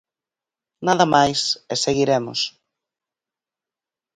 Nada máis, e seguiremos.